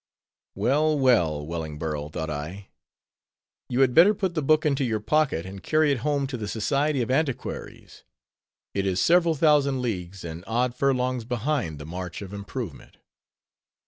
Well, well, Wellingborough, thought I, you had better put the book into your pocket, and carry it home to the Society of Antiquaries; it is several thousand leagues and odd furlongs behind the march of improvement.